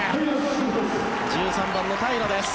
１３番の平良です。